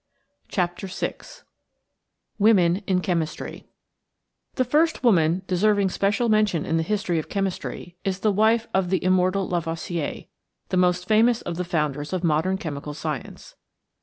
CHAPTER VI WOMEN IN CHEMISTRY The first woman deserving special mention in the history of chemistry is the wife of the immortal Lavoisier, the most famous of the founders of modern chemical science.